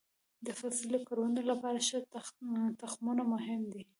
د فصلي کروندو لپاره ښه تخمونه مهم دي.